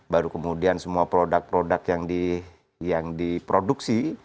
baru kemudian semua produk produk yang diproduksi